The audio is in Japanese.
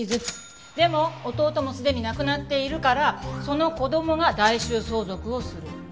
でも弟もすでに亡くなっているからその子供が代襲相続をする。